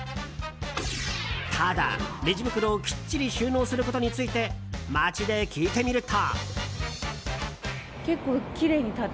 ただ、レジ袋をきっちり収納することについて街で聞いてみると。